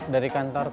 dari kantor peran